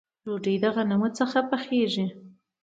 ډوډۍ د غنمو څخه پخیږي